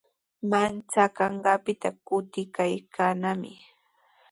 Manchakanqaapita kutikaykaanami.